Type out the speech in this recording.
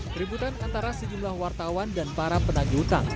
keributan antara sejumlah wartawan dan para penagih utang